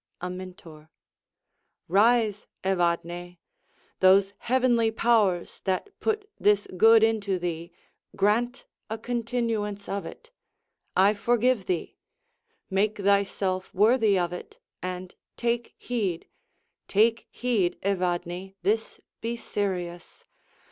Amintor Rise, Evadne. Those heavenly powers that put this good into thee Grant a continuance of it! I forgive thee: Make thyself worthy of it; and take heed, Take heed, Evadne, this be serious.